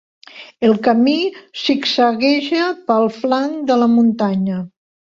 El camí zigzagueja pel flanc de la muntanya.